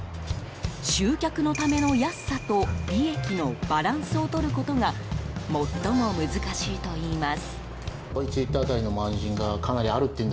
集客のための安さと利益のバランスを取ることが最も難しいといいます。